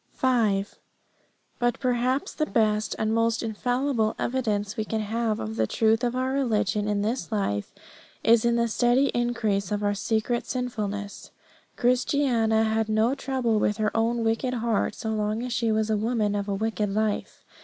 5. But perhaps the best and most infallible evidence we can have of the truth of our religion in this life is in the steady increase of our secret sinfulness. Christiana had no trouble with her own wicked heart so long as she was a woman of a wicked life.